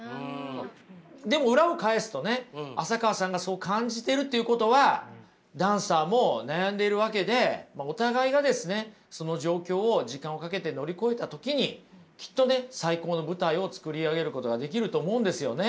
でも裏を返すとね浅川さんがそう感じてるっていうことはダンサーも悩んでいるわけでお互いがですねその状況を時間をかけて乗り越えた時にきっとね最高の舞台を作り上げることができると思うんですよね。